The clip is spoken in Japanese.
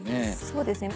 そうですね